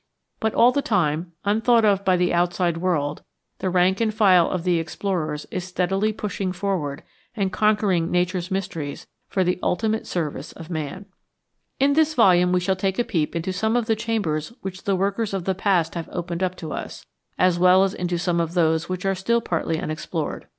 But all the time, unthought of by the outside world, the rank and file of the explorers is steadily pushing forward and conquering nature's mysteries for the ultimate service of man. In this volume we shall take a peep into some of the chambers which the workers of the past have opened up to us, as well as into some of those which are still partly unex plored.